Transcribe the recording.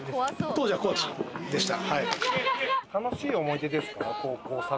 当時はコーチでした。